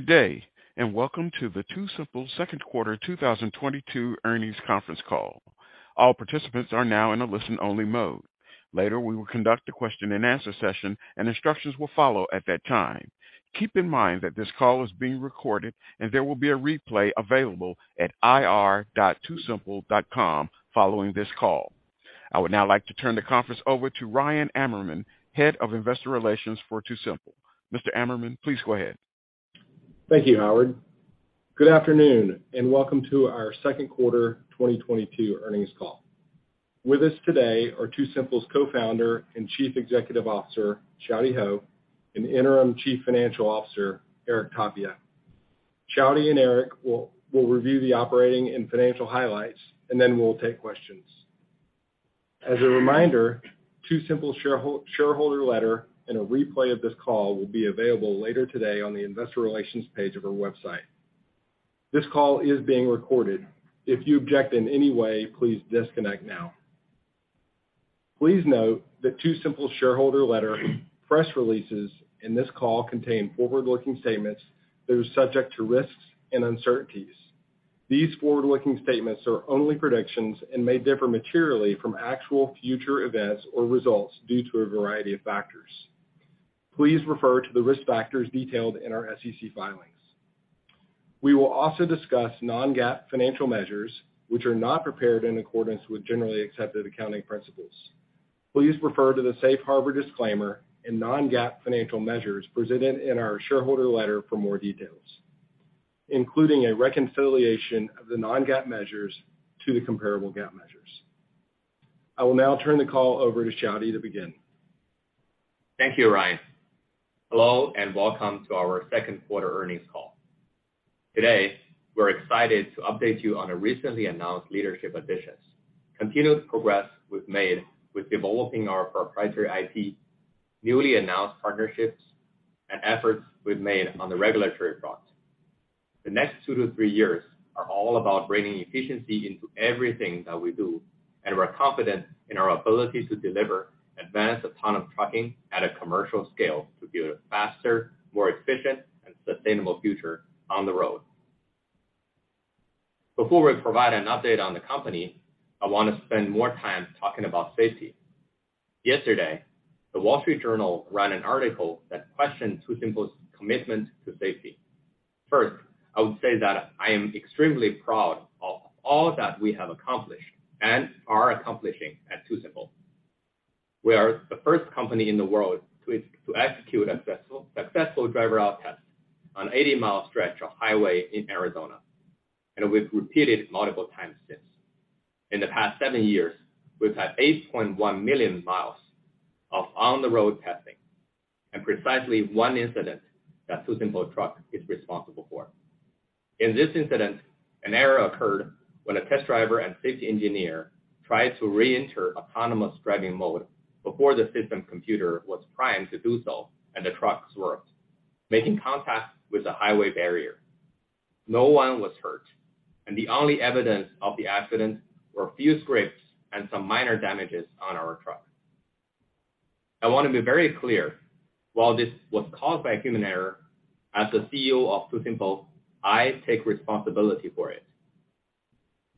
Good day, and welcome to the TuSimple Q2 2022 Earnings Conference Call. All participants are now in a listen-only mode. Later, we will conduct a question-and-answer session, and instructions will follow at that time. Keep in mind that this call is being recorded, and there will be a replay available at ir.tusimple.com following this call. I would now like to turn the conference over to Ryan Amerman, Head of Investor Relations for TuSimple. Mr. Amerman, please go ahead. Thank you, Howard. Good afternoon, and welcome to our Q2 2022 Earnings Call. With us today are TuSimple's Co-founder and Chief Executive Officer, Xiaodi Hou, and Interim Chief Financial Officer, Eric Tapia. Xiaodi and Eric will review the operating and financial highlights, and then we'll take questions. As a reminder, TuSimple shareholder letter and a replay of this call will be available later today on the investor relations page of our website. This call is being recorded. If you object in any way, please disconnect now. Please note that TuSimple shareholder letter, press releases, and this call contain forward-looking statements that are subject to risks and uncertainties. These forward-looking statements are only predictions and may differ materially from actual future events or results due to a variety of factors. Please refer to the risk factors detailed in our SEC filings. We will also discuss non-GAAP financial measures, which are not prepared in accordance with generally accepted accounting principles. Please refer to the Safe Harbor disclaimer and non-GAAP financial measures presented in our shareholder letter for more details, including a reconciliation of the non-GAAP measures to the comparable GAAP measures. I will now turn the call over to Xiaodi to begin. Thank you, Ryan. Hello, and welcome to our Q2 Earnings Call. Today, we're excited to update you on a recently announced leadership additions, continued progress we've made with developing our proprietary IP, newly announced partnerships, and efforts we've made on the regulatory front. The next two to three3 years are all about bringing efficiency into everything that we do, and we're confident in our ability to deliver advanced autonomous trucking at a commercial scale to build a faster, more efficient, and sustainable future on the road. Before we provide an update on the company, I want to spend more time talking about safety. Yesterday, The Wall Street Journal ran an article that questioned TuSimple's commitment to safety. First, I would say that I am extremely proud of all that we have accomplished and are accomplishing at TuSimple. We are the first company in the world to execute a successful driverless test on 80-mile stretch of highway in Arizona, and we've repeated multiple times since. In the past seven years, we've had 8.1 million miles of on-the-road testing and precisely one incident that TuSimple Truck is responsible for. In this incident, an error occurred when a test driver and safety engineer tried to reenter autonomous driving mode before the system computer was primed to do so, and the truck swerved, making contact with the highway barrier. No one was hurt, and the only evidence of the accident were a few scrapes and some minor damages on our truck. I want to be very clear, while this was caused by human error, as the CEO of TuSimple, I take responsibility for it.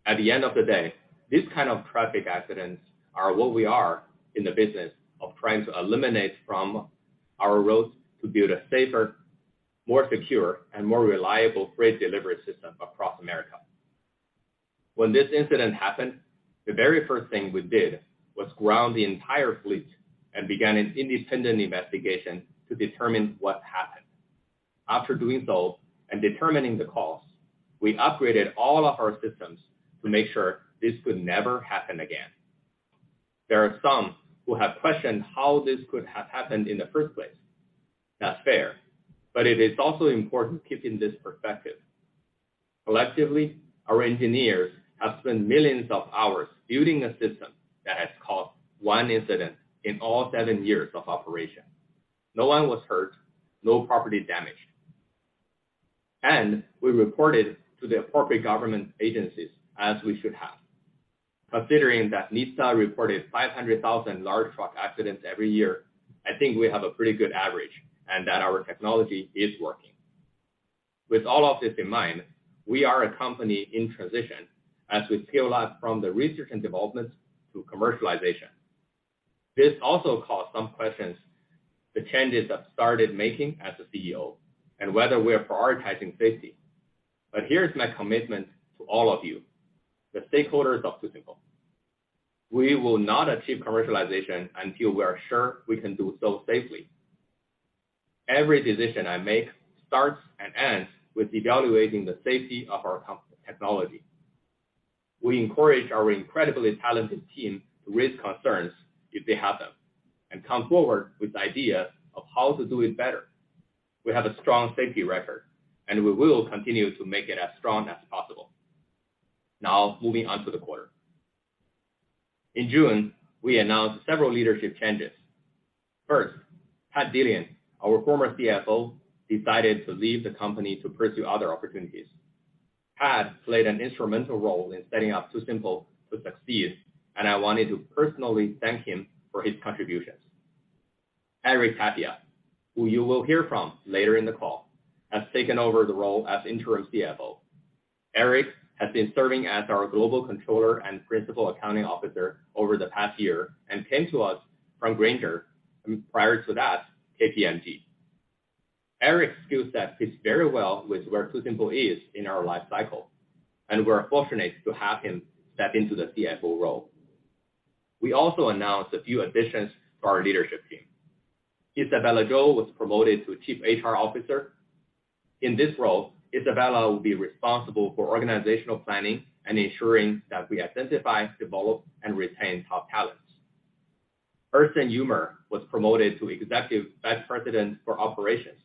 At the end of the day, these kind of traffic accidents are what we are in the business of trying to eliminate from our roads to build a safer, more secure, and more reliable freight delivery system across America. When this incident happened, the very first thing we did was ground the entire fleet and began an independent investigation to determine what happened. After doing so and determining the cause, we upgraded all of our systems to make sure this could never happen again. There are some who have questioned how this could have happened in the first place. That's fair, but it is also important keeping this perspective. Collectively, our engineers have spent millions of hours building a system that has caused one incident in all seven years of operation. No one was hurt, no property damaged, and we reported to the appropriate government agencies as we should have. Considering that NHTSA reported 500,000 large truck accidents every year, I think we have a pretty good average, and that our technology is working. With all of this in mind, we are a company in transition as we scale up from the research and development to commercialization. This also caused some questions, the changes I've started making as a CEO and whether we are prioritizing safety. Here's my commitment to all of you, the stakeholders of TuSimple. We will not achieve commercialization until we are sure we can do so safely. Every decision I make starts and ends with evaluating the safety of our technology. We encourage our incredibly talented team to raise concerns if they have them and come forward with ideas of how to do it better. We have a strong safety record, and we will continue to make it as strong as possible. Now, moving on to the quarter. In June, we announced several leadership changes. First, Pat Dillon, our former CFO, decided to leave the company to pursue other opportunities. He had played an instrumental role in setting up TuSimple to succeed, and I wanted to personally thank him for his contributions. Eric Tapia, who you will hear from later in the call, has taken over the role as interim CFO. Eric has been serving as our global controller and principal accounting officer over the past year, and came to us from Grainger, and prior to that, KPMG. Eric's skill set fits very well with where TuSimple is in our life cycle, and we're fortunate to have him step into the CFO role. We also announced a few additions to our leadership team. Isabella Zhou was promoted to Chief HR Officer. In this role, Isabella Zhou will be responsible for organizational planning and ensuring that we identify, develop, and retain top talents. Ersin Yumer was promoted to Executive Vice President for Operations.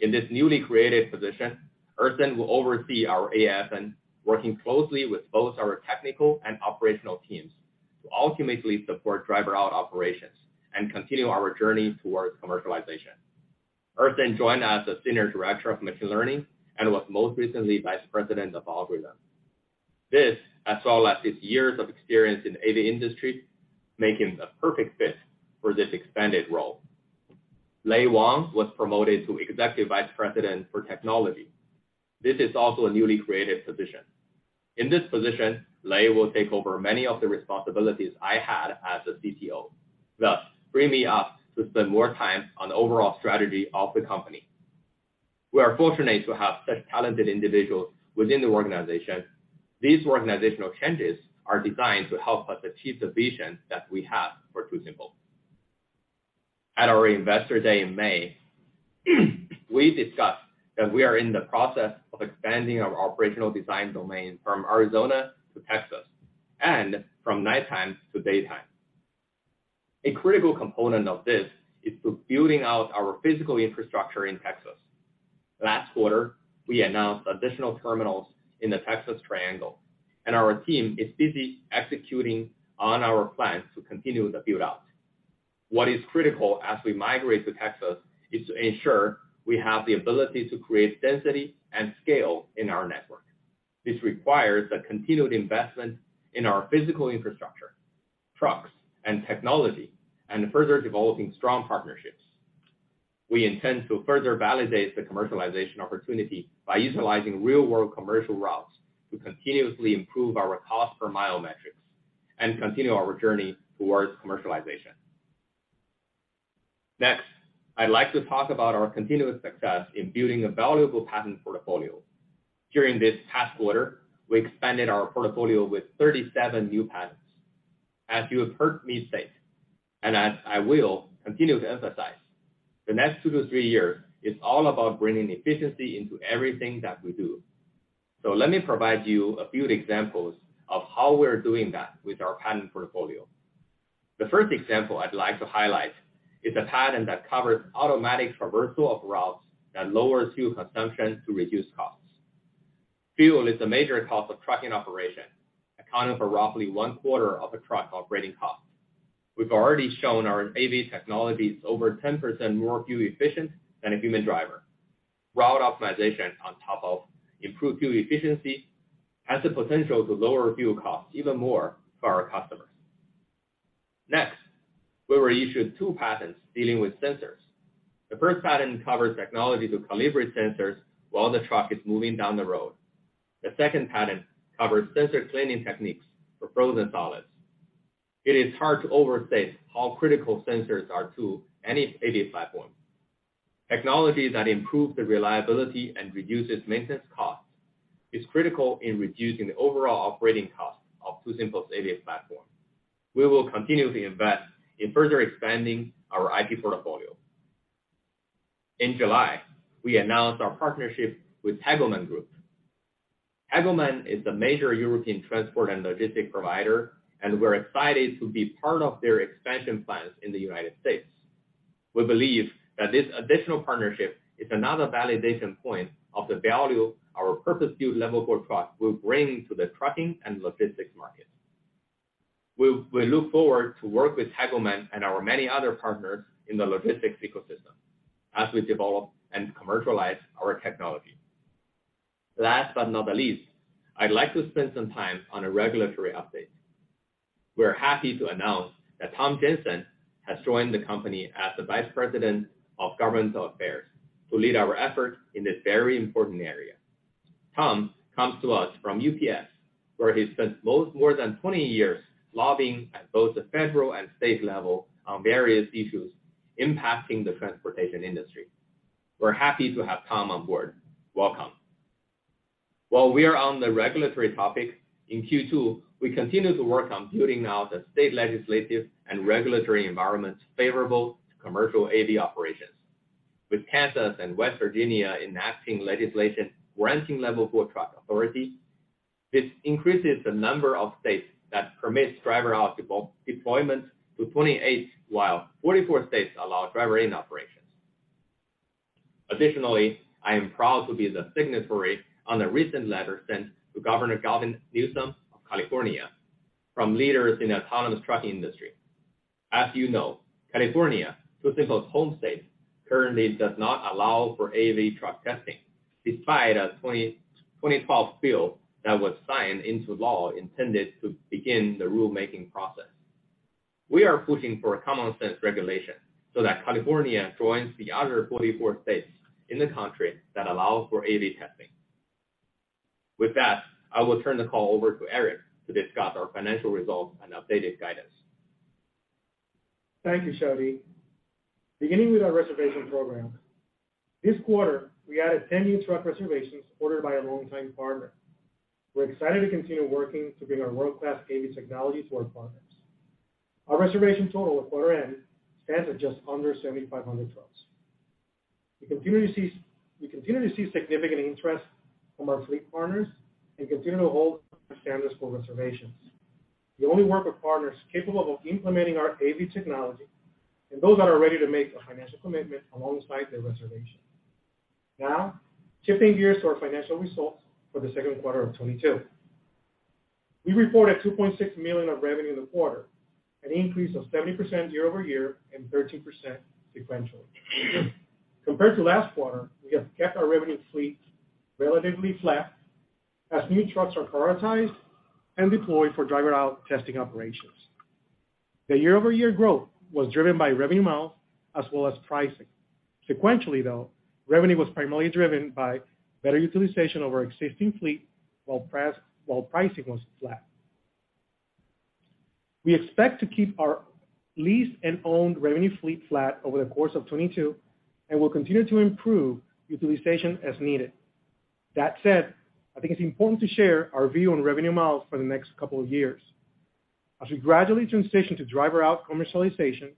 In this newly created position, Ersin will oversee our AFN, working closely with both our technical and operational teams to ultimately support driver-out operations and continue our journey towards commercialization. Ersin joined as a Senior Director of Machine Learning and was most recently Vice President of Algorithms. This, as well as his years of experience in AV industry, make him the perfect fit for this expanded role. Lei Wang was promoted to Executive Vice President for Technology. This is also a newly created position. In this position, Lei will take over many of the responsibilities I had as a CTO, thus freeing me up to spend more time on the overall strategy of the company. We are fortunate to have such talented individuals within the organization. These organizational changes are designed to help us achieve the vision that we have for TuSimple. At our Investor Day in May, we discussed that we are in the process of expanding our operational design domain from Arizona to Texas, and from nighttime to daytime. A critical component of this is building out our physical infrastructure in Texas. Last quarter, we announced additional terminals in the Texas Triangle, and our team is busy executing on our plans to continue the build-out. What is critical as we migrate to Texas is to ensure we have the ability to create density and scale in our network. This requires a continued investment in our physical infrastructure, trucks and technology, and further developing strong partnerships. We intend to further validate the commercialization opportunity by utilizing real-world commercial routes to continuously improve our cost per mile metrics and continue our journey towards commercialization. Next, I'd like to talk about our continuous success in building a valuable patent portfolio. During this past quarter, we expanded our portfolio with 37 new patents. As you have heard me say, and as I will continue to emphasize, the next two to three years is all about bringing efficiency into everything that we do. Let me provide you a few examples of how we're doing that with our patent portfolio. The first example I'd like to highlight is a patent that covers automatic traversal of routes that lower fuel consumption to reduce costs. Fuel is a major cost of trucking operation, accounting for roughly one-quarter of a truck operating cost. We've already shown our AV technology is over 10% more fuel-efficient than a human driver. Route optimization on top of improved fuel efficiency has the potential to lower fuel costs even more for our customers. Next, we were issued two patents dealing with sensors. The first patent covers technology to calibrate sensors while the truck is moving down the road. The second patent covers sensor cleaning techniques for frozen solids. It is hard to overstate how critical sensors are to any AV platform. Technology that improves the reliability and reduces maintenance costs is critical in reducing the overall operating cost of TuSimple's AV platform. We will continue to invest in further expanding our IP portfolio. In July, we announced our partnership with Hegelmann Group. Hegelmann is a major European transport and logistic provider, and we're excited to be part of their expansion plans in the United States. We believe that this additional partnership is another validation point of the value our purpose-built Level 4 truck will bring to the trucking and logistics market. We look forward to work with Hegelmann and our many other partners in the logistics ecosystem as we develop and commercialize our technology. Last but not least, I'd like to spend some time on a regulatory update. We're happy to announce that Tom Jensen has joined the company as the Vice President of Governmental Affairs to lead our efforts in this very important area. Tom comes to us from UPS, where he spent more than 20 years lobbying at both the federal and state level on various issues impacting the transportation industry. We're happy to have Tom on board. Welcome. While we are on the regulatory topic, in Q2, we continue to work on building out a state legislative and regulatory environment favorable to commercial AV operations. With Kansas and West Virginia enacting legislation granting Level 4 truck authority, this increases the number of states that permits driver-out deployment to 28, while 44 states allow driver-in operations. Additionally, I am proud to be the signatory on a recent letter sent to Governor Gavin Newsom of California from leaders in the autonomous trucking industry. As you know, California, TuSimple's home state, currently does not allow for AV truck testing despite a 2012 bill that was signed into law intended to begin the rulemaking process. We are pushing for a common sense regulation so that California joins the other 44 states in the country that allow for AV testing. With that, I will turn the call over to Eric to discuss our financial results and updated guidance. Thank you, Xiaodi. Beginning with our reservation program. This quarter, we added 10 new truck reservations ordered by a long-time partner. We're excited to continue working to bring our world-class AV technology to our partners. Our reservation total at quarter end stands at just under 7,500 trucks. We continue to see significant interest from our fleet partners and continue to hold our standards for reservations. We only work with partners capable of implementing our AV technology and those that are ready to make a financial commitment alongside their reservation. Now, shifting gears to our financial results for the Q2 2022. We reported $2.6 million of revenue in the quarter, an increase of 70% year-over-year and 13% sequentially. Compared to last quarter, we have kept our revenue fleet relatively flat as new trucks are prioritized and deployed for driver route testing operations. The year-over-year growth was driven by revenue miles as well as pricing. Sequentially, though, revenue was primarily driven by better utilization of our existing fleet, while pricing was flat. We expect to keep our leased and owned revenue fleet flat over the course of 2022 and will continue to improve utilization as needed. That said, I think it's important to share our view on revenue miles for the next couple of years. As we gradually transition to driver-out commercialization,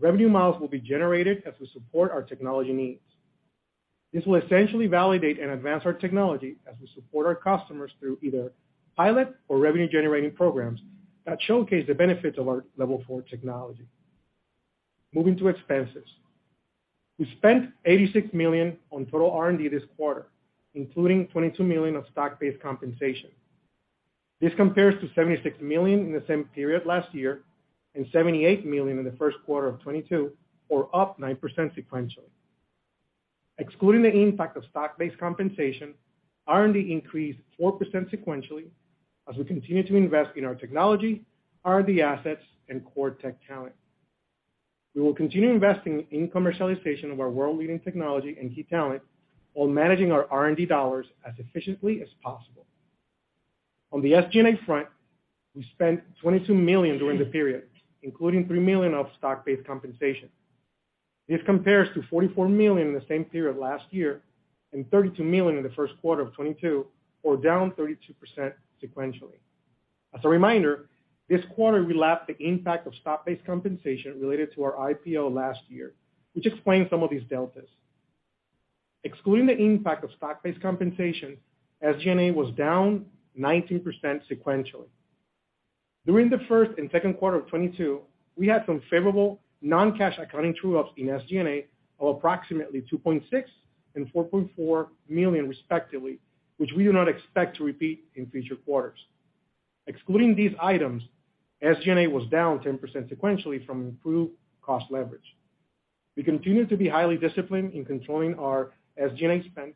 revenue miles will be generated as we support our technology needs. This will essentially validate and advance our technology as we support our customers through either pilot or revenue-generating programs that showcase the benefits of our Level 4 technology. Moving to expenses. We spent $86 million on total R&D this quarter, including $22 million of stock-based compensation. This compares to $76 million in the same period last year and $78 million in the Q1 2022, or up 9% sequentially. Excluding the impact of stock-based compensation, R&D increased 4% sequentially as we continue to invest in our technology, R&D assets, and core tech talent. We will continue investing in commercialization of our world-leading technology and key talent while managing our R&D dollars as efficiently as possible. On the SG&A front, we spent $22 million during the period, including $3 million of stock-based compensation. This compares to $44 million in the same period last year and $32 million in the Q1 2022, or down 32% sequentially. As a reminder, this quarter we lapped the impact of stock-based compensation related to our IPO last year, which explains some of these deltas. Excluding the impact of stock-based compensation, SG&A was down 19% sequentially. During the first and Q2 2022, we had some favorable non-cash accounting true-ups in SG&A of approximately $2.6 million and $4.4 million, respectively, which we do not expect to repeat in future quarters. Excluding these items, SG&A was down 10% sequentially from improved cost leverage. We continue to be highly disciplined in controlling our SG&A spend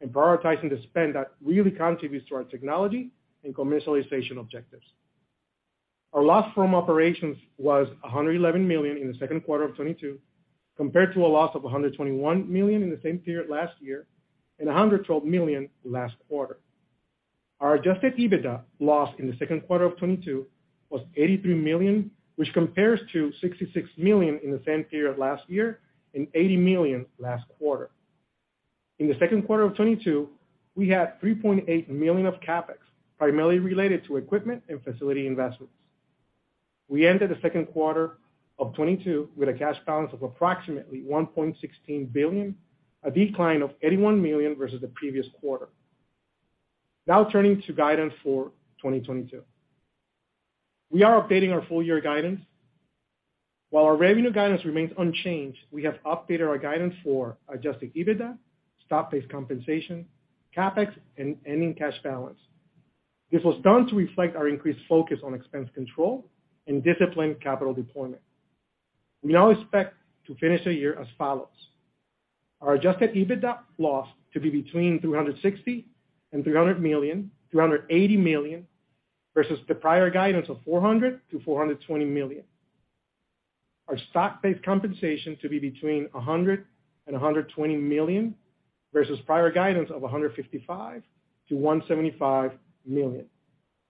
and prioritizing the spend that really contributes to our technology and commercialization objectives. Our loss from operations was $111 million in the Q2 2022, compared to a loss of $121 million in the same period last year and $112 million last quarter. Our adjusted EBITDA loss in the Q2 2022 was $83 million, which compares to $66 million in the same period last year and $80 million last quarter. In the Q2 of 2022, we had $3.8 million of CapEx, primarily related to equipment and facility investments. We ended the Q2 2022 with a cash balance of approximately $1.16 billion, a decline of $81 million versus the previous quarter. Now turning to guidance for 2022. We are updating our full year guidance. While our revenue guidance remains unchanged, we have updated our guidance for adjusted EBITDA, stock-based compensation, CapEx, and ending cash balance. This was done to reflect our increased focus on expense control and disciplined capital deployment. We now expect to finish the year as follows. Our adjusted EBITDA loss to be between $360 million and $380 million, versus the prior guidance of $400 million to $420 million. Our stock-based compensation to be between $100 million and $120 million, versus prior guidance of $155 million to $175 million.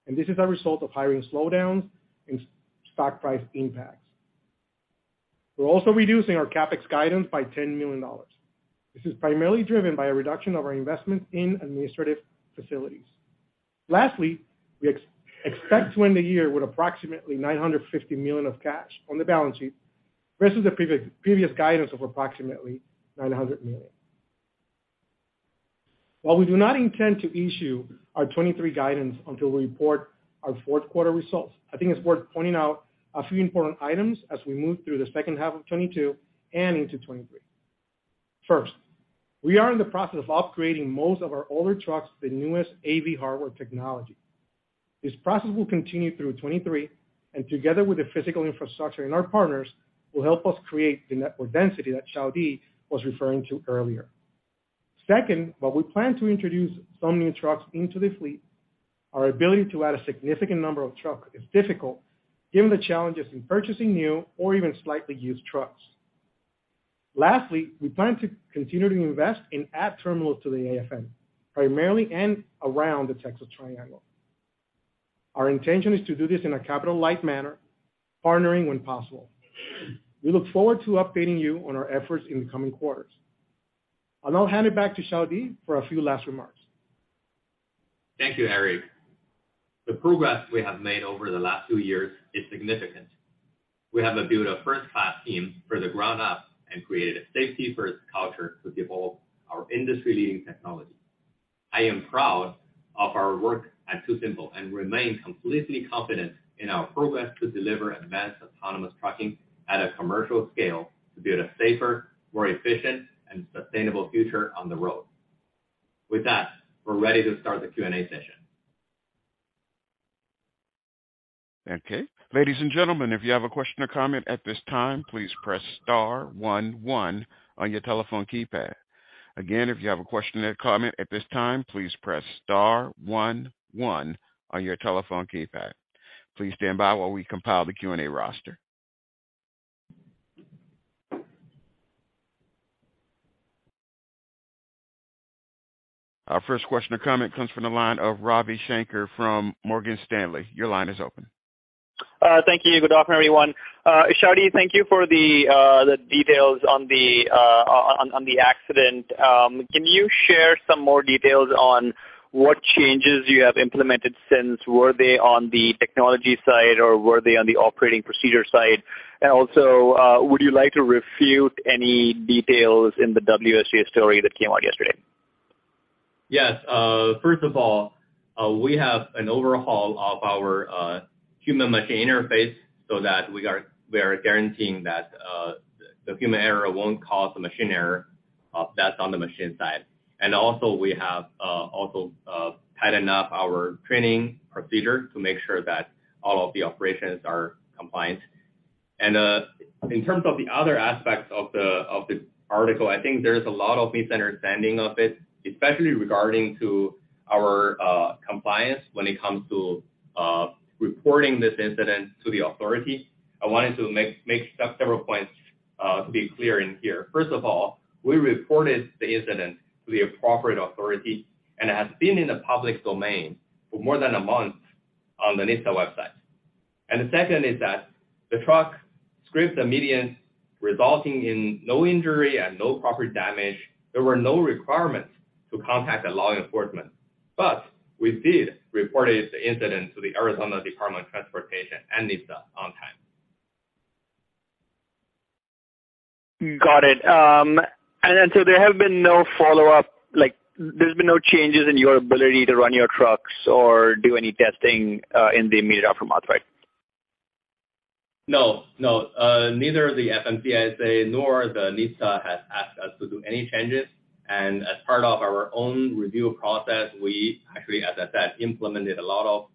This is a result of hiring slowdowns and stock price impacts. We're also reducing our CapEx guidance by $10 million. This is primarily driven by a reduction of our investment in administrative facilities. Lastly, we expect to end the year with approximately $950 million of cash on the balance sheet, versus the previous guidance of approximately $900 million. While we do not intend to issue our 2023 guidance until we report our Q4 results, I think it's worth pointing out a few important items as we move through the H2 2022 and into 2023. First, we are in the process of upgrading most of our older trucks to the newest AV hardware technology. This process will continue through 2023, and together with the physical infrastructure and our partners, will help us create the network density that Xiaodi was referring to earlier. Second, while we plan to introduce some new trucks into the fleet, our ability to add a significant number of trucks is difficult given the challenges in purchasing new or even slightly used trucks. Lastly, we plan to continue to invest and add terminals to the AFN, primarily in and around the Texas Triangle. Our intention is to do this in a capital-light manner, partnering when possible. We look forward to updating you on our efforts in the coming quarters. I'll now hand it back to Xiaodi for a few last remarks. Thank you, Eric. The progress we have made over the last two years is significant. We have built a first-class team from the ground up and created a safety-first culture to develop our industry-leading technology. I am proud of our work at TuSimple and remain completely confident in our progress to deliver advanced autonomous trucking at a commercial scale to build a safer, more efficient, and sustainable future on the road. With that, we're ready to start the Q&A session. Okay. Ladies and gentlemen, if you have a question or comment at this time, please press star one one on your telephone keypad. Again, if you have a question or comment at this time, please press star one one on your telephone keypad. Please stand by while we compile the Q&A roster. Our first question or comment comes from the line of Ravi Shanker from Morgan Stanley. Your line is open. Thank you. Good afternoon, everyone. Xiaodi, thank you for the details on the accident. Can you share some more details on what changes you have implemented since? Were they on the technology side, or were they on the operating procedure side? Also, would you like to refute any details in the WSJ story that came out yesterday? Yes. First of all, we have an overhaul of our human-machine interface so that we are guaranteeing that the human error won't cause the machine error. That's on the machine side. We have also tightened up our training procedure to make sure that all of the operations are compliant. In terms of the other aspects of the article, I think there's a lot of misunderstanding of it, especially regarding to our compliance when it comes to reporting this incident to the authorities. I wanted to make several points to be clear in here. First of all, we reported the incident to the appropriate authority, and it has been in the public domain for more than a month on the NHTSA website. The second is that the truck scraped the median, resulting in no injury and no property damage. There were no requirements to contact the law enforcement. We did report the incident to the Arizona Department of Transportation and NHTSA on time. Got it. There have been no follow-up, like, there's been no changes in your ability to run your trucks or do any testing in the immediate aftermath? No. No. Neither the FMCSA nor the NHTSA has asked us to do any changes. As part of our own review process, we actually, as I said, implemented a lot of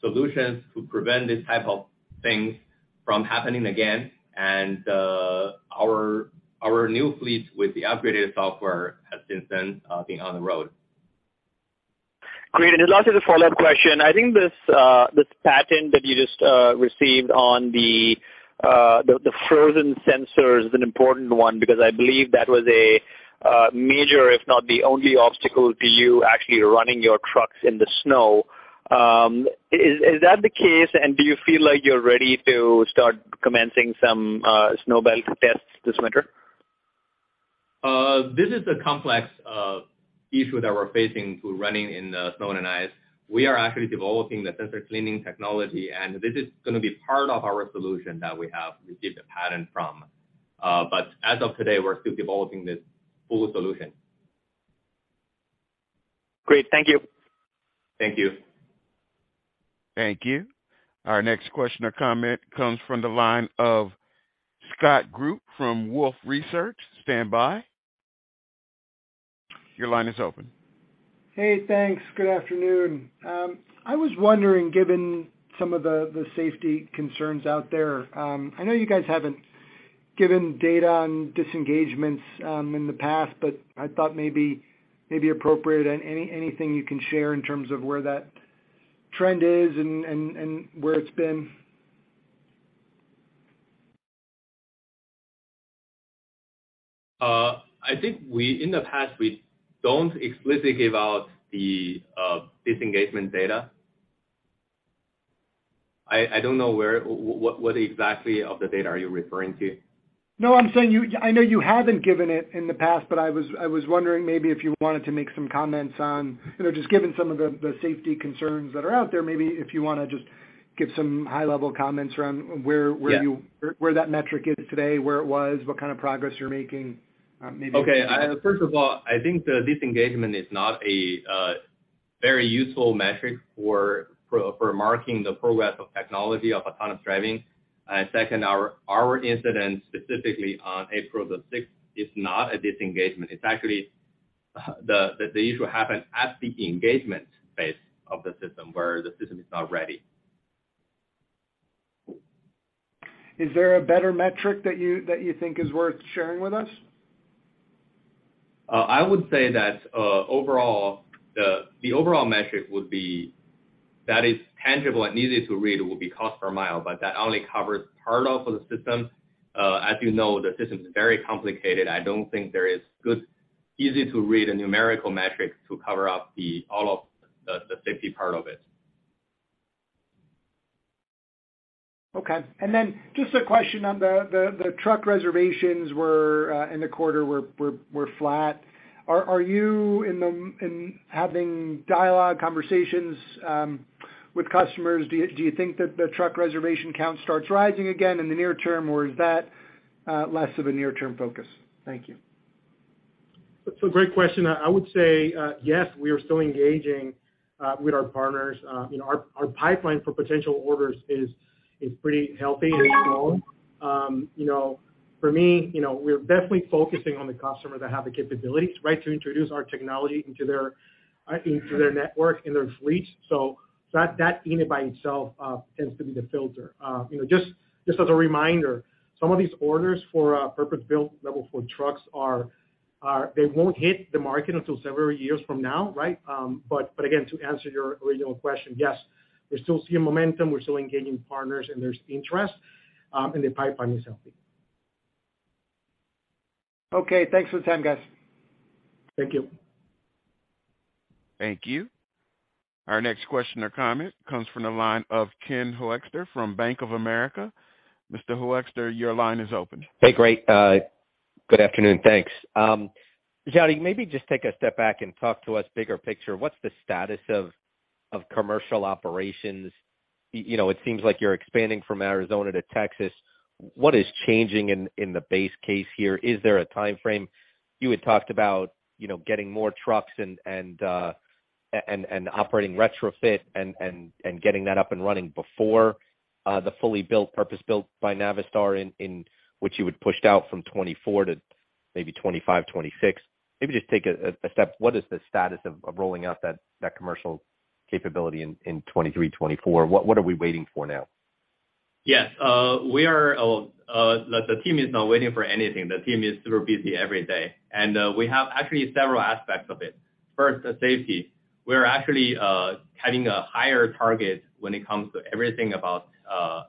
solutions to prevent this type of things from happening again. Our new fleet with the upgraded software has since then been on the road. Great. Just lastly, the follow-up question. I think this patent that you just received on the frozen sensor is an important one because I believe that was a major, if not the only obstacle to you actually running your trucks in the snow. Is that the case? Do you feel like you're ready to start commencing some snow belt tests this winter? This is a complex issue that we're facing when running in the snow and ice. We are actually developing the sensor cleaning technology, and this is gonna be part of our solution that we have received the patent for. As of today, we're still developing this full solution. Great. Thank you. Thank you. Thank you. Our next question or comment comes from the line of Scott Group from Wolfe Research. Stand by. Your line is open. Hey, thanks. Good afternoon. I was wondering, given some of the safety concerns out there, I know you guys haven't given data on disengagements in the past, but I thought maybe appropriate. Anything you can share in terms of where that trend is and where it's been? I think in the past, we don't explicitly give out the disengagement data. I don't know what exactly of the data are you referring to? No, I'm saying you I know you haven't given it in the past, but I was wondering maybe if you wanted to make some comments on, you know, just given some of the safety concerns that are out there, maybe if you wanna just give some high-level comments around where Yeah. where that metric is today, where it was, what kind of progress you're making, maybe Okay. First of all, I think the disengagement is not a very useful metric for marking the progress of technology of autonomous driving. Second, our incident specifically on April the sixth is not a disengagement. It's actually the issue happened at the engagement phase of the system where the system is not ready. Is there a better metric that you think is worth sharing with us? I would say that overall, the overall metric would be that is tangible and easy to read would be cost per mile, but that only covers part of the system. As you know, the system is very complicated. I don't think there is a good, easy to read numerical metric to cover all of the safety part of it. Okay. Just a question on the truck reservations were flat in the quarter. Are you having dialogue conversations with customers? Do you think that the truck reservation count starts rising again in the near term, or is that less of a near term focus? Thank you. That's a great question. I would say, yes, we are still engaging with our partners. You know, our pipeline for potential orders is pretty healthy and strong. We are definitely focusing on the customers that have the capabilities, right? To introduce our technology into their network, in their fleets. That in and of itself tends to be the filter. You know, just as a reminder, some of these orders for purpose-built Level 4 trucks won't hit the market until several years from now, right? Again, to answer your original question, yes, we're still seeing momentum. We're still engaging partners, and there's interest, and the pipeline is healthy. Okay. Thanks for the time, guys. Thank you. Thank you. Our next question or comment comes from the line of Ken Hoexter from Bank of America. Mr. Hoexter, your line is open. Hey, great. Good afternoon. Thanks. Xiaodi, maybe just take a step back and talk to us big picture. What's the status of commercial operations? It seems like you're expanding from Arizona to Texas. What is changing in the base case here? Is there a timeframe? You had talked about, getting more trucks and operating retrofit and getting that up and running before the fully built, purpose-built by Navistar, which you had pushed out from 2024 to maybe 2025-2026. Maybe just take a step. What is the status of rolling out that commercial capability in 2023-2024? What are we waiting for now? Yes. The team is not waiting for anything. The team is super busy every day. We have actually several aspects of it. First, the safety. We're actually having a higher target when it comes to everything about,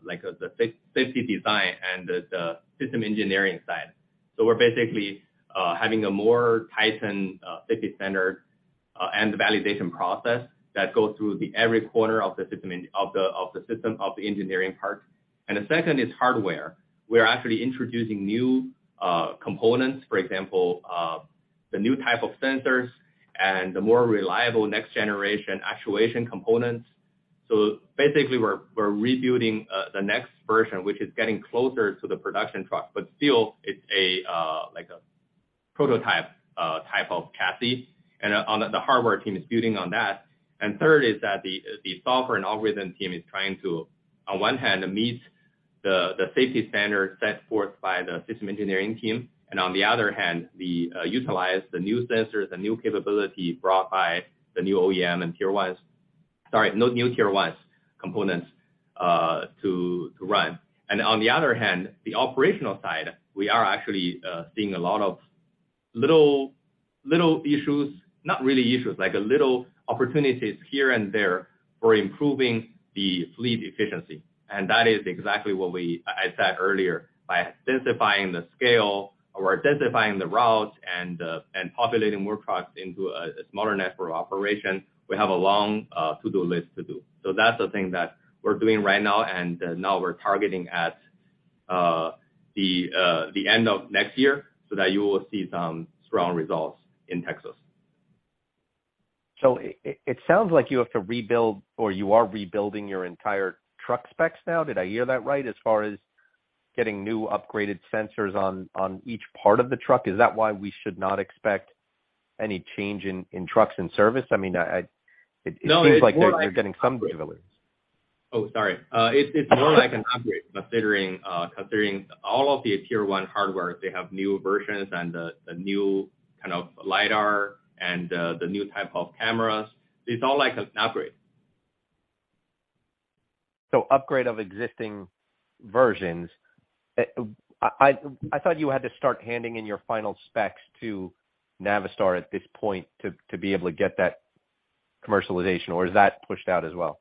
like, the safety design and the system engineering side. We're basically having a more tightened safety standard and the validation process that goes through every corner of the system engineering part. The second is hardware. We are actually introducing new components, for example, the new type of sensors and the more reliable next generation actuation components. We're rebuilding the next version, which is getting closer to the production truck. But still it's a like a prototype type of chassis. On the hardware team is building on that. Third is that the software and algorithm team is trying to on one hand, meet the safety standards set forth by the system engineering team and on the other hand, utilize the new sensors, the new capability brought by the new OEM and tier ones. Sorry, no new tier ones components, to run. On the other hand, the operational side, we are actually seeing a lot of little issues. Not really issues, like a little opportunities here and there for improving the fleet efficiency. That is exactly what I said earlier, by intensifying the scale or intensifying the routes and populating more trucks into a smaller network operation, we have a long to-do list to do. That's the thing that we are doing right now, and now we're targeting at the end of next year so that you will see some strong results in Texas. It sounds like you have to rebuild or you are rebuilding your entire truck specs now. Did I hear that right? As far as getting new upgraded sensors on each part of the truck, is that why we should not expect any change in trucks and service? I mean, it seems like you're getting some capabilities. Oh, sorry. It's more like an upgrade considering all of the tier one hardware they have new versions and the new kind of lidar and the new type of cameras. It's all like an upgrade. Upgrade of existing versions. I thought you had to start handing in your final specs to Navistar at this point to be able to get that commercialization, or is that pushed out as well?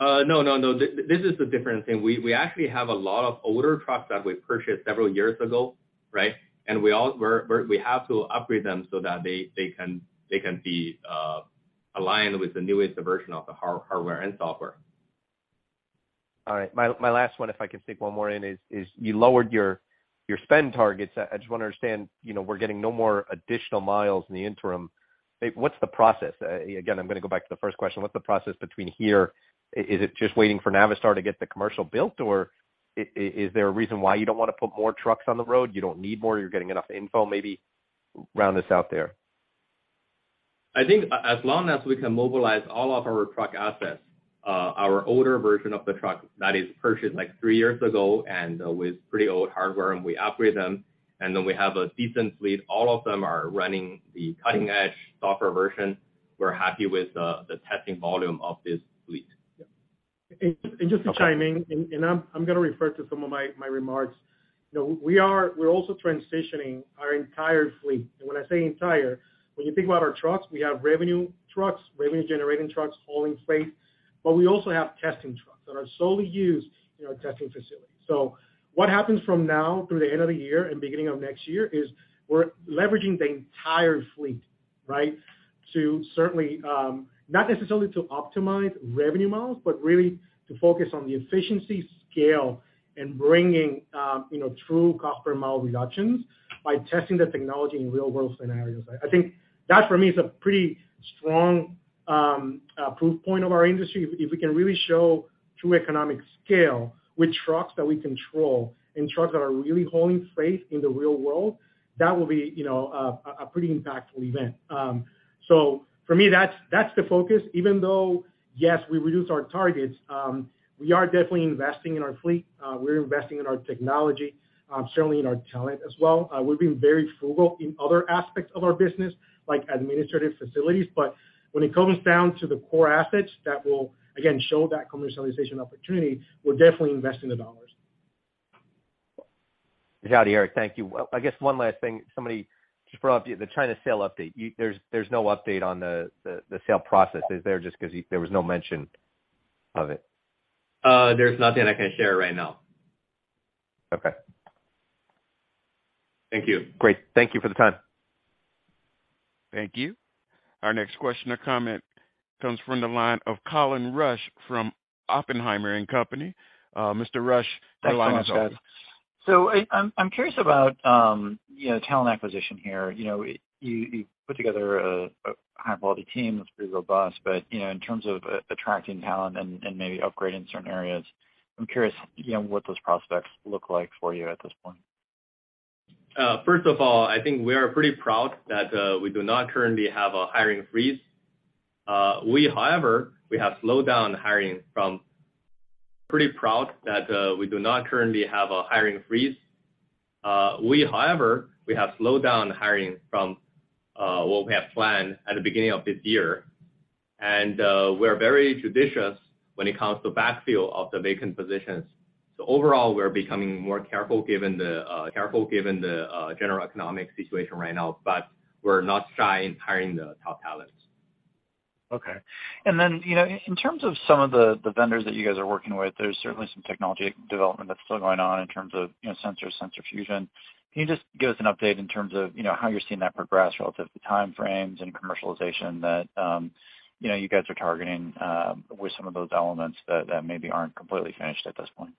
No. This is the different thing. We actually have a lot of older trucks that we purchased several years ago, right? We have to upgrade them so that they can be aligned with the newest version of the hardware and software. All right. My last one, if I can sneak one more in, is you lowered your spend targets. I just wanna understand, we are getting no more additional miles in the interim. Like, what's the process? Again, I'm gonna go back to the first question. What's the process between here? Is it just waiting for Navistar to get the commercial built or Is there a reason why you don't wanna put more trucks on the road? You don't need more, you're getting enough info maybe? Round this out there. I think as long as we can mobilize all of our truck assets, our older version of the truck that is purchased like three years ago and with pretty old hardware, and we upgrade them, and then we have a decent fleet. All of them are running the cutting-edge software version. We're happy with the testing volume of this fleet. Yeah. Just to chime in, I'm gonna refer to some of my remarks. We are also transitioning our entire fleet. When I say entire, when you think about our trucks, we have revenue trucks, revenue-generating trucks, hauling freight, but we also have testing trucks that are solely used in our testing facility. What happens from now through the end of the year and beginning of next year is we're leveraging the entire fleet, right? To certainly not necessarily to optimize revenue models, but really to focus on the efficiency, scale, and bringing, true cost per mile reductions by testing the technology in real-world scenarios. I think that for me is a pretty strong proof point of our industry. If we can really show true economic scale with trucks that we control and trucks that are really hauling freight in the real world, that will be, a pretty impactful event. So for me, that's the focus. Even though, yes, we reduced our targets, we are definitely investing in our fleet. We're investing in our technology, certainly in our talent as well. We've been very frugal in other aspects of our business, like administrative facilities. When it comes down to the core assets that will again show that commercialization opportunity, we're definitely investing the dollars. Xiaodi, Eric, thank you. I guess one last thing, somebody just brought up to you the China sale update. There's no update on the sale process, is there, just 'cause there was no mention of it? There's nothing I can share right now. Okay. Thank you. Great. Thank you for the time. Thank you. Our next question or comment comes from the line of Colin Rusch from Oppenheimer & Company. Mr. Rusch, your line is open. Thanks so much, guys. I'm curious about, talent acquisition here. You put together a high quality team that's pretty robust. You know, in terms of attracting talent and maybe upgrading certain areas, I'm curious, you know, what those prospects look like for you at this point. First of all, I think we are pretty proud that we do not currently have a hiring freeze. However, we have slowed down hiring from what we have planned at the beginning of this year. We are very judicious when it comes to backfill of the vacant positions. Overall, we are becoming more careful given the general economic situation right now. We're not shy in hiring the top talents. Okay. You know, in terms of some of the vendors that you guys are working with, there's certainly some technology development that's still going on in terms of, sensor fusion. Can you just give us an update in terms of, how you're seeing that progress relative to time frames and commercialization that you guys are targeting with some of those elements that maybe aren't completely finished at this point?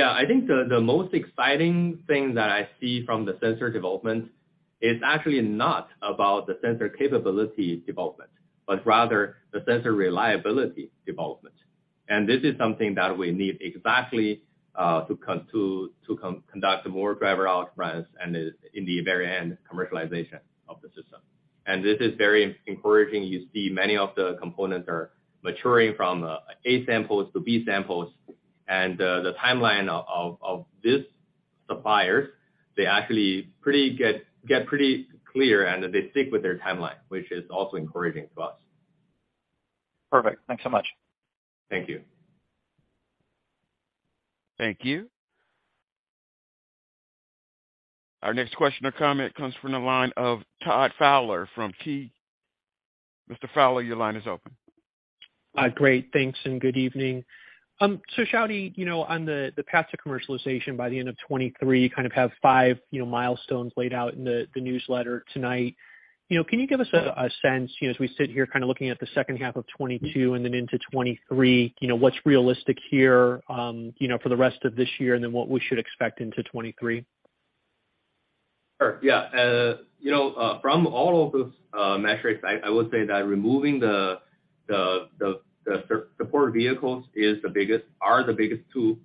Yeah. I think the most exciting thing that I see from the sensor development is actually not about the sensor capability development, but rather the sensor reliability development. This is something that we need exactly to conduct more driver ops runs and is in the very end, commercialization of the system. This is very encouraging. You see many of the components are maturing from A-samples to B-samples. The timeline of these suppliers, they actually getting pretty clear and they stick with their timeline, which is also encouraging to us. Perfect. Thanks so much. Thank you. Thank you. Our next question or comment comes from the line of Todd Fowler from KeyBanc. Mr. Fowler, your line is open. Great. Thanks, and good evening. Xiaodi, you know, on the path to commercialization by the end of 2023, you kind of have five, you know, milestones laid out in the newsletter tonight. Can you give us a sense, as we sit here kinda looking at the H2 2022 and then into 2023, what's realistic here, for the rest of this year and then what we should expect into 2023? Sure. Yeah. You know, from all of those metrics, I would say that removing the support vehicles are the biggest two.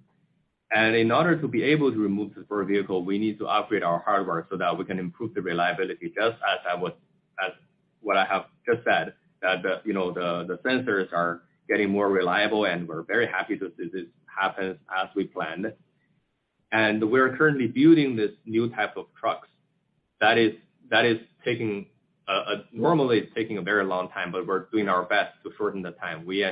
In order to be able to remove the support vehicle, we need to upgrade our hardware so that we can improve the reliability, as what I have just said, that you know, the sensors are getting more reliable, and we're very happy to see this happens as we planned. We're currently building this new type of trucks. That is taking. Normally it's taking a very long time, but we're doing our best to shorten the time. We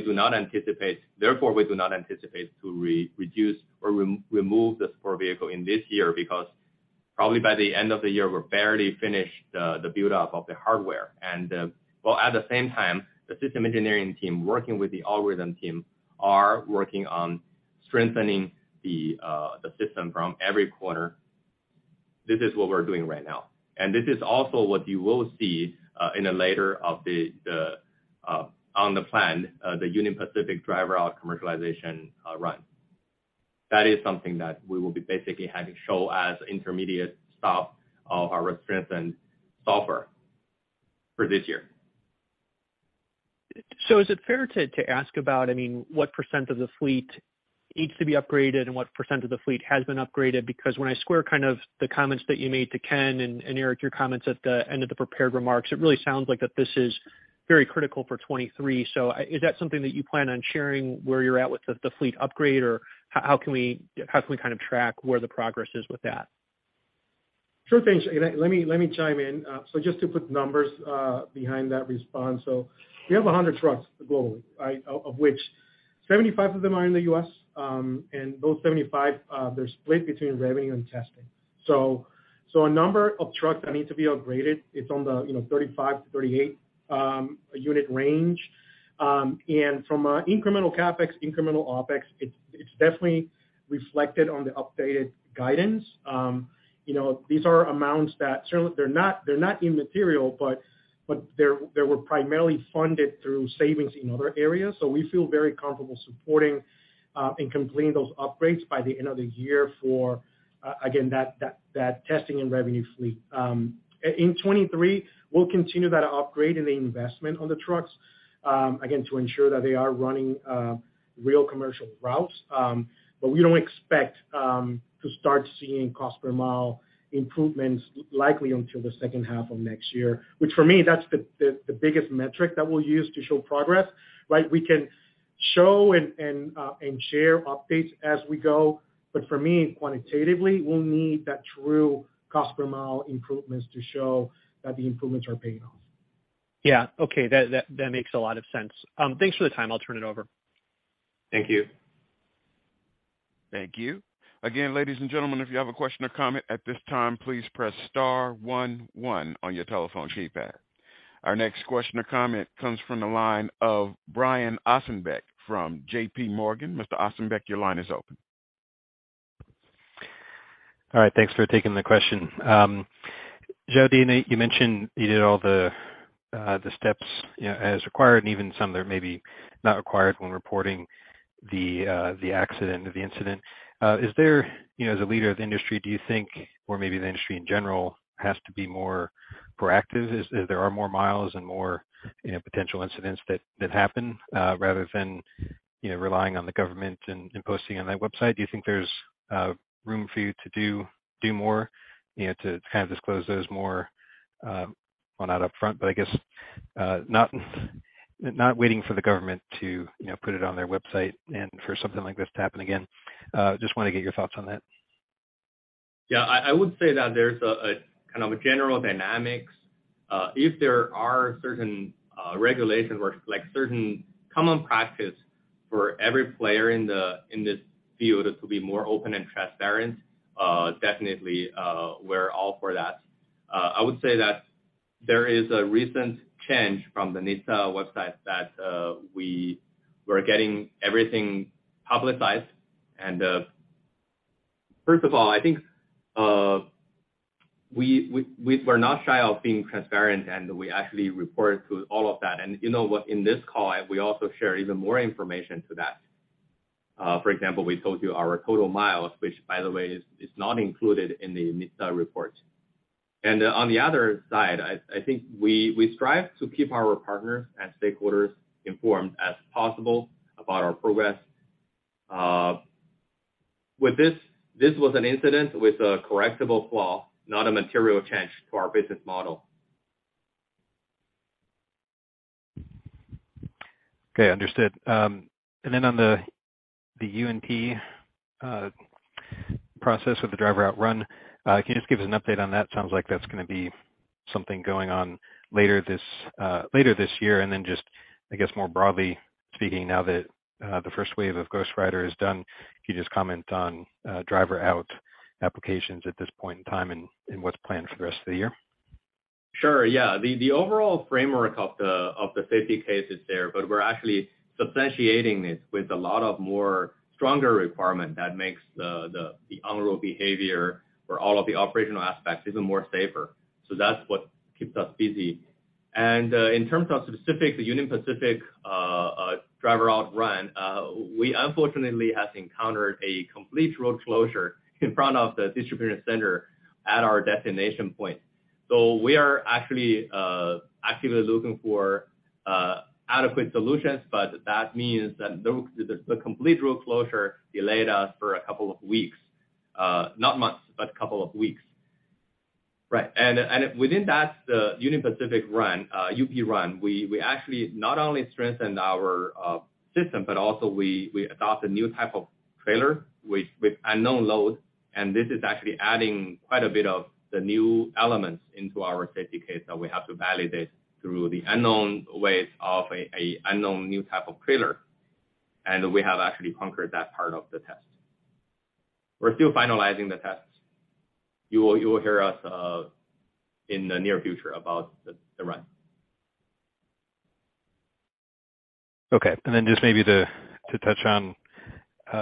do not anticipate, therefore, we do not anticipate to reduce or remove the support vehicle in this year because probably by the end of the year we're barely finished the build-up of the hardware. While at the same time, the system engineering team working with the algorithm team are working on strengthening the system from every corner. This is what we're doing right now. This is also what you will see later on the plan, the Union Pacific driver-out commercialization run. That is something that we will be basically having shown as intermediate stop of our strengthened software for this year. Is it fair to ask about, I mean, what % of the fleet needs to be upgraded and what % of the fleet has been upgraded? Because when I square kind of the comments that you made to Ken and Eric, your comments at the end of the prepared remarks, it really sounds like that this is very critical for 2023. Is that something that you plan on sharing where you're at with the fleet upgrade? Or how can we kind of track where the progress is with that? Sure thing. Let me chime in. Just to put numbers behind that response. We have 100 trucks globally, right? Of which 75 of them are in the U.S., and those 75, they're split between revenue and testing. A number of trucks that need to be upgraded, it's in the 35-38 unit range. And from incremental CapEx, incremental OpEx, it's definitely reflected on the updated guidance. You know, these are amounts that certainly they're not immaterial, but they're, they were primarily funded through savings in other areas. We feel very comfortable supporting and completing those upgrades by the end of the year for again, that testing and revenue fleet. In 2023, we'll continue that upgrade and the investment on the trucks, again, to ensure that they are running real commercial routes. We don't expect to start seeing cost per mile improvements likely until the H2 of next year, which for me, that's the biggest metric that we'll use to show progress, right? We can show and share updates as we go, but for me, quantitatively, we'll need that true cost per mile improvements to show that the improvements are paying off. Yeah. Okay. That makes a lot of sense. Thanks for the time. I'll turn it over. Thank you. Thank you. Again, ladies and gentlemen, if you have a question or comment at this time, please press star one one on your telephone keypad. Our next question or comment comes from the line of Brian Ossenbeck from JPMorgan. Mr. Ossenbeck, your line is open. All right, thanks for taking the question. Xiaodi, you mentioned you did all the steps, as required and even some that are maybe not required when reporting the accident or the incident. Is there, you know, as a leader of the industry, do you think or maybe the industry in general has to be more proactive as there are more miles and more, you know, potential incidents that happen, rather than, you know, relying on the government and posting on that website? Do you think there's room for you to do more, you know, to kind of disclose those more, well, not upfront, but I guess not waiting for the government to, put it on their website and for something like this to happen again? Just wanna get your thoughts on that. Yeah. I would say that there's a kind of a general dynamics. If there are certain regulations or like certain common practice for every player in this field to be more open and transparent, definitely we're all for that. I would say that there is a recent change from the NHTSA website that we were getting everything publicized. First of all, I think we were not shy of being transparent, and we actually reported to all of that. You know what, in this call, we also share even more information to that. For example, we told you our total miles, which by the way, is not included in the NHTSA report. On the other side, I think we strive to keep our partners and stakeholders informed as possible about our progress. With this was an incident with a correctable flaw, not a material change to our business model. Okay. Understood. Then on the UNP process with the driver-out run, can you just give us an update on that? Sounds like that's gonna be something going on later this year. Just, I guess, more broadly speaking now that the first wave of Ghost Rider is done, can you just comment on driver-out applications at this point in time and what's planned for the rest of the year? Sure. Yeah. The overall framework of the safety case is there, but we're actually substantiating it with a lot more stronger requirement that makes the on-road behavior for all of the operational aspects even more safer. That's what keeps us busy. In terms of specific, the Union Pacific driver-out run, we unfortunately have encountered a complete road closure in front of the distribution center at our destination point. We are actually actively looking for adequate solutions, but that means that the complete road closure delayed us for a couple of weeks. Not months, but couple of weeks. Right. Within that, the Union Pacific run, we actually not only strengthened our system, but also we adopt a new type of trailer with unknown load, and this is actually adding quite a bit of the new elements into our safety case that we have to validate through the unknown ways of a unknown new type of trailer. We have actually conquered that part of the test. We're still finalizing the tests. You will hear us in the near future about the run. Okay. Just maybe to touch on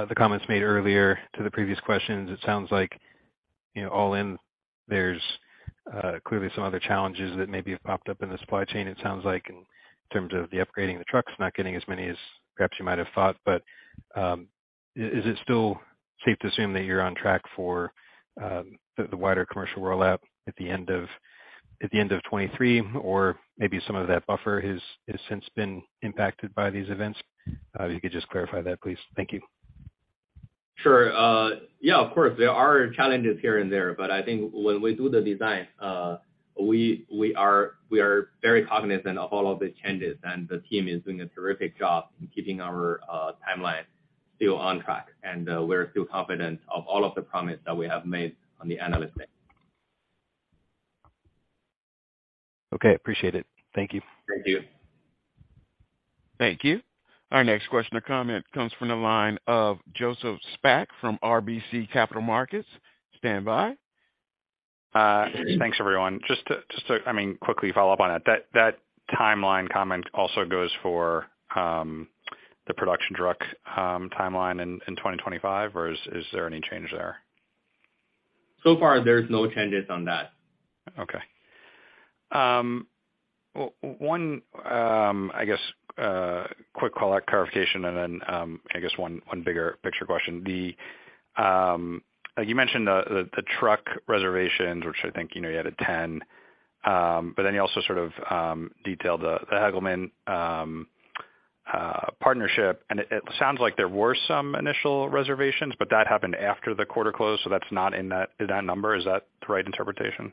the comments made earlier to the previous questions. It sounds like, you know, all in, there's clearly some other challenges that maybe have popped up in the supply chain, it sounds like, in terms of the upgrading the trucks, not getting as many as perhaps you might have thought. Is it still safe to assume that you're on track for the wider commercial rollout at the end of 2023? Or maybe some of that buffer has since been impacted by these events? If you could just clarify that, please. Thank you. Sure. Yeah, of course. There are challenges here and there, but I think when we do the design, we are very cognizant of all of the changes, and the team is doing a terrific job in keeping our timeline still on track. We're still confident of all of the promise that we have made on the Analyst Day. Okay. Appreciate it. Thank you. Thank you. Thank you. Our next question or comment comes from the line of Joseph Spak from RBC Capital Markets. Stand by. Thanks everyone. Just to, I mean, quickly follow up on that timeline comment also goes for the production truck timeline in 2025, or is there any change there? So far, there's no changes on that. Okay. One, I guess, quick clarification and then, I guess one bigger picture question. You mentioned the truck reservations, which I think, you had at 10, but then you also sort of detailed the Hegelmann partnership. It sounds like there were some initial reservations, but that happened after the quarter closed, so that's not in that number. Is that the right interpretation?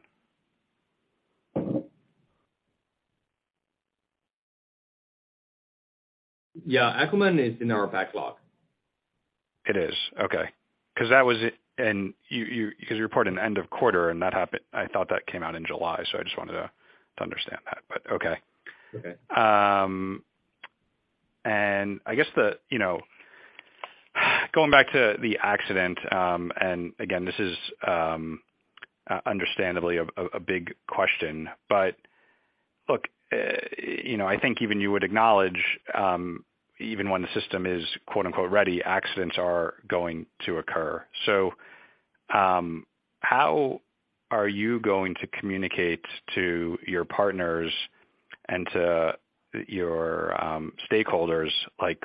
Yeah. Hegelmann is in our backlog. It is. Okay. 'Cause you report an end of quarter, and that happened. I thought that came out in July, so I just wanted to understand that, but okay. Okay. I guess, you know, going back to the accident, and again, this is understandably a big question. Look, I think even you would acknowledge, even when the system is quote-unquote ready, accidents are going to occur. How are you going to communicate to your partners and to your stakeholders, like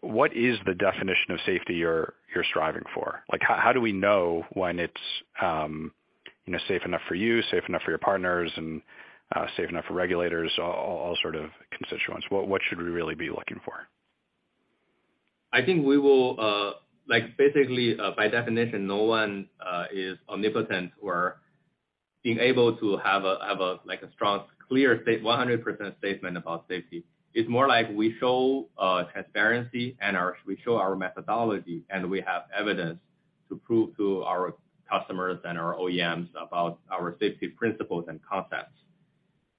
what is the definition of safety you're striving for? Like, how do we know when it's, you know, safe enough for you, safe enough for your partners and safe enough for regulators, all sort of constituents? What should we really be looking for? I think we will. Like, basically, by definition, no one is omnipotent. We're able to have a like, a strong, clear 100% statement about safety. It's more like we show transparency and we show our methodology, and we have evidence to prove to our customers and our OEMs about our safety principles and concepts.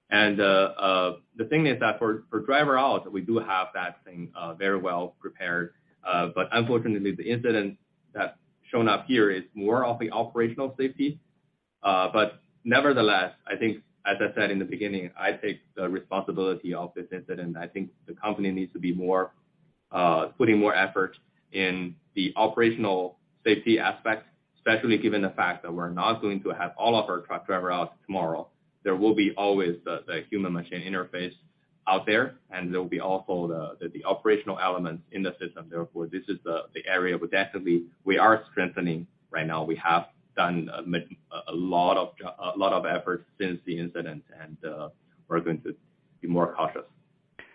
The thing is that for driverless, we do have that thing very well prepared. Unfortunately, the incident that's shown up here is more of the operational safety. Nevertheless, I think, as I said in the beginning, I take the responsibility of this incident. I think the company needs to be more putting more effort in the operational safety aspect, especially given the fact that we're not going to have all of our truck driverless tomorrow. There will be always the human-machine interface out there, and there will be also the operational elements in the system. Therefore, this is the area we're definitely strengthening right now. We have done a lot of effort since the incident, and we're going to be more cautious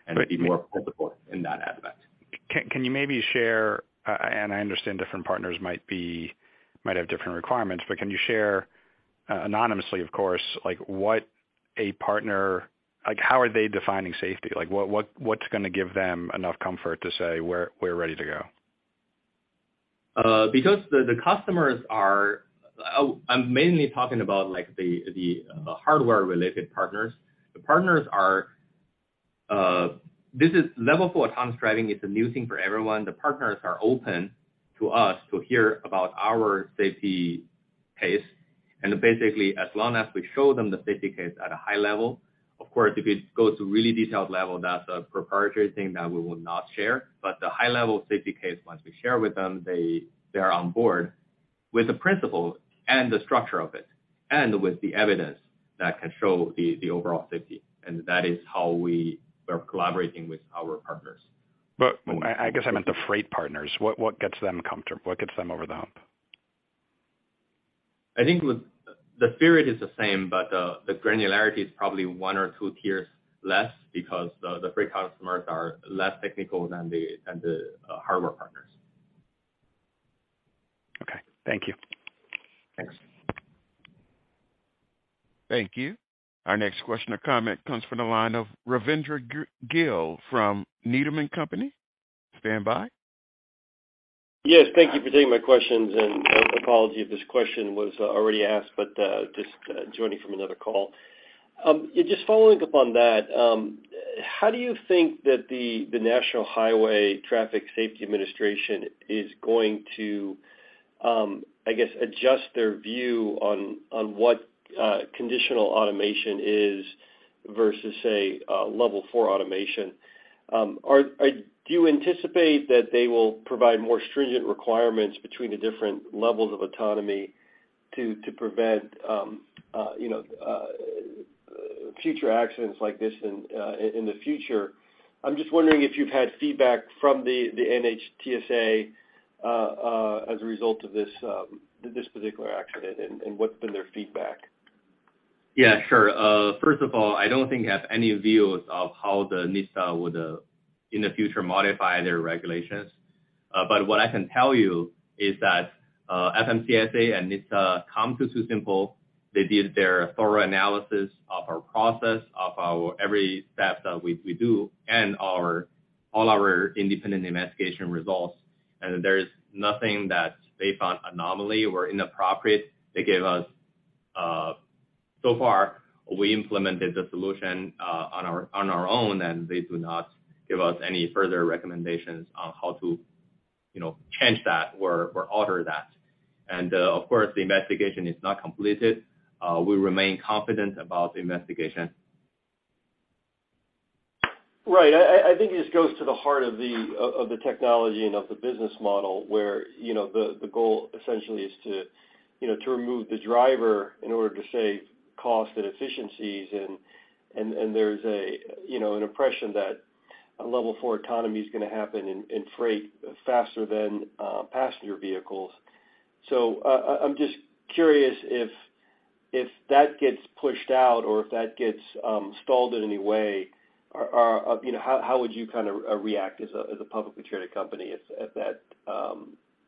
and be more supportive in that aspect. Can you maybe share, and I understand different partners might have different requirements, but can you share anonymously, of course, like what a partner like, how are they defining safety? Like, what's gonna give them enough comfort to say, "We're ready to go"? I'm mainly talking about like the hardware-related partners. This is Level 4 autonomous driving. It's a new thing for everyone. The partners are open to us to hear about our safety case, and basically, as long as we show them the safety case at a high level, of course, if it goes to really detailed level, that's a proprietary thing that we will not share. The high level safety case, once we share with them, they're on board with the principles and the structure of it, and with the evidence that can show the overall safety. That is how we are collaborating with our partners. I guess I meant the freight partners. What gets them comfortable? What gets them over the hump? I think the spirit is the same, but the granularity is probably one or two tiers less because the freight customers are less technical than the hardware partners. Okay. Thank you. Thanks. Thank you. Our next question or comment comes from the line of Rajvindra Gill from Needham & Company. Standby. Yes. Thank you for taking my questions. An apology if this question was already asked, but just joining from another call. Just following up on that, how do you think that the National Highway Traffic Safety Administration is going to, I guess, adjust their view on what conditional automation is versus, say, a Level 4 automation? Do you anticipate that they will provide more stringent requirements between the different levels of autonomy to prevent, you know, future accidents like this in the future? I'm just wondering if you've had feedback from the NHTSA as a result of this particular accident, and what's been their feedback? Yeah, sure. First of all, I don't think I have any views of how the NHTSA would in the future modify their regulations. But what I can tell you is that FMCSA and NHTSA come to TuSimple. They did their thorough analysis of our process, of our every step that we do and our independent investigation results. There is nothing that they found anomaly or inappropriate. They gave us. So far, we implemented the solution on our own, and they do not give us any further recommendations on how to, you know, change that or alter that. Of course, the investigation is not completed. We remain confident about the investigation. Right. I think this goes to the heart of the technology and of the business model where, you know, the goal essentially is to, you know, to remove the driver in order to save cost and efficiencies and there's a, you know, an impression that a Level 4 autonomy is gonna happen in freight faster than passenger vehicles. I'm just curious if that gets pushed out or if that gets stalled in any way, you know, how would you kind of react as a publicly traded company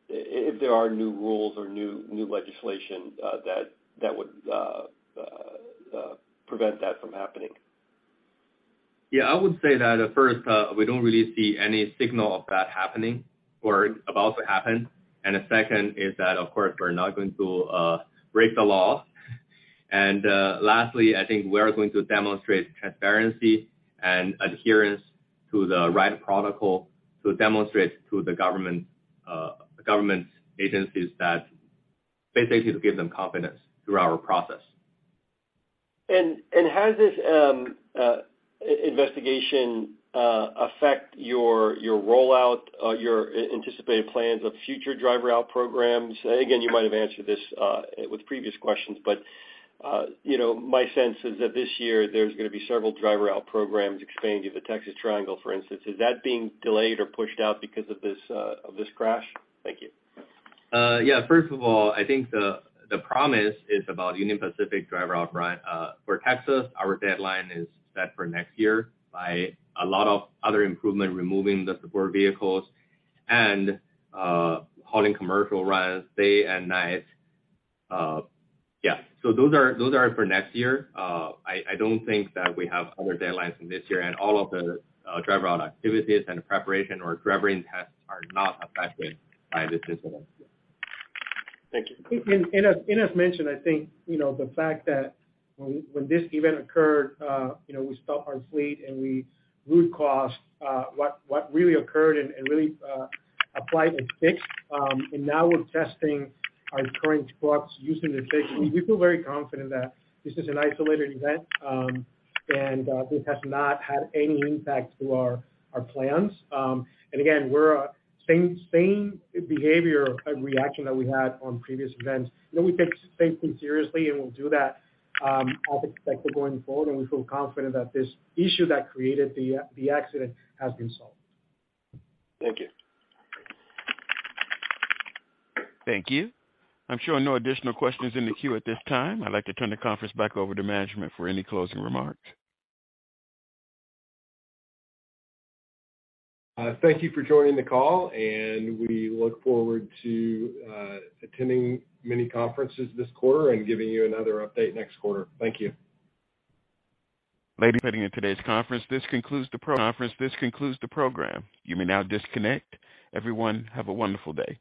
if there are new rules or new legislation that would prevent that from happening? Yeah, I would say that at first, we don't really see any signal of that happening or about to happen. The second is that, of course, we're not going to break the law. Lastly, I think we're going to demonstrate transparency and adherence to the right protocol to demonstrate to the government agencies that basically give them confidence through our process. Has this investigation affect your rollout, your anticipated plans of future driver-out programs? Again, you might have answered this with previous questions, but you know, my sense is that this year there's gonna be several driver-out programs expanding to the Texas Triangle, for instance. Is that being delayed or pushed out because of this of this crash? Thank you. Yeah. First of all, I think the promise is about Union Pacific driver-out run. For Texas, our deadline is set for next year via a lot of other improvements, removing the support vehicles and hauling commercial runs day and night. Yeah. Those are for next year. I don't think that we have other deadlines in this year and all of the driver-out activities and preparation for driving tests are not affected by this incident. Thank you. As mentioned, I think, you know, the fact that when this event occurred, you know, we stopped our fleet and we root caused what really occurred and really applied and fixed. Now we're testing our current trucks using the fix. We feel very confident that this is an isolated event, and this has not had any impact to our plans. Again, we're same behavior and reaction that we had on previous events. You know, we take safety seriously, and we'll do that, I think, going forward. We feel confident that this issue that created the accident has been solved. Thank you. Thank you. I'm showing no additional questions in the queue at this time. I'd like to turn the conference back over to management for any closing remarks. Thank you for joining the call, and we look forward to attending many conferences this quarter and giving you another update next quarter. Thank you. Ladies and gentlemen, thank you for participating in today's conference. This concludes the program. You may now disconnect. Everyone, have a wonderful day.